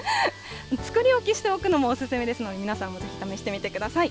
作り置きしておくのもお勧めですので、皆さんもぜひ試してみてください。